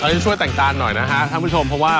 ช่วยแต่งตาหน่อยนะฮะท่านผู้ชมเพราะว่า